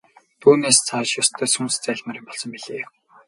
Түүнээс цааш ёстой сүнс зайлмаар юм болсон билээ.